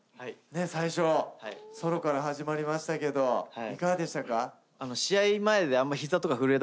最初ソロから始まりましたけどいかがでしたか？